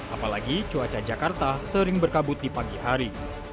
apalagi cuaca jakarta sering berkabut di pagi hari